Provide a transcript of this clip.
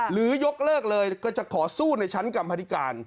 ยกเลิกเลยก็จะขอสู้ในชั้นกรรมธิการ